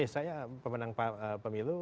saya pemenang pemilu